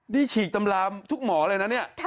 นี่ฉีกตำรามทุกหมอเลยนะเนี่ย